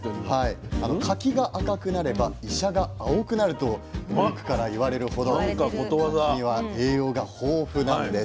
柿が赤くなれば医者が青くなると古くから言われるほど柿には栄養が豊富なんです。